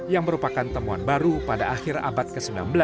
yang merupakan temuan baru pada akhir abad ke sembilan belas